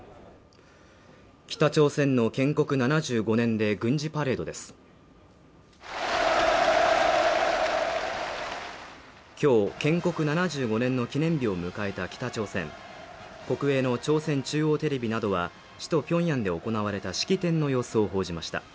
北朝鮮の建国７５年で軍事パレードです今日建国７５年の記念日を迎えた北朝鮮国営の朝鮮中央テレビなどは首都ピョンヤンで行われた式典の様子を報じました